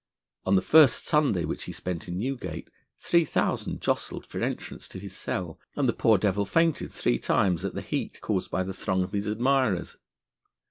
On the first Sunday, which he spent in Newgate, three thousand jostled for entrance to his cell, and the poor devil fainted three times at the heat caused by the throng of his admirers.